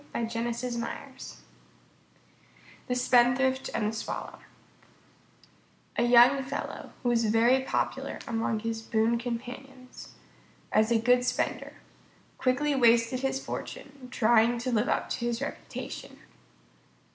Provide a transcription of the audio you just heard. _ THE SPENDTHRIFT AND THE SWALLOW A young fellow, who was very popular among his boon companions as a good spender, quickly wasted his fortune trying to live up to his reputation.